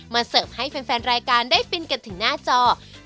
เสิร์ฟให้แฟนรายการได้ฟินกันถึงหน้าจอ